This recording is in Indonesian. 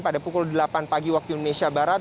pada pukul delapan pagi waktu indonesia barat